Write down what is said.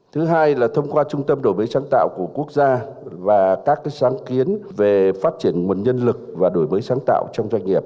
thứ hai là thông qua trung tâm đổi mới sáng tạo của quốc gia và các sáng kiến về phát triển nguồn nhân lực và đổi mới sáng tạo trong doanh nghiệp